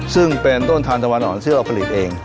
ซึ่งเป็นต้นทานตะวันอ่อนเสื้อผลิตเอง